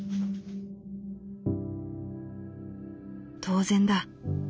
「当然だ。